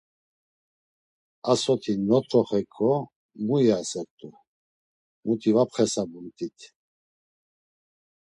Ar soti not̆roxeyǩo mu iyasert̆u, muti var pxesabumt̆it.